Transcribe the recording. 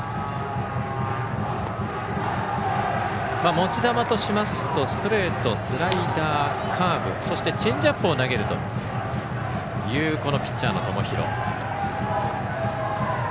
持ち球としますと、ストレートスライダー、カーブチェンジアップを投げるというピッチャーの友廣。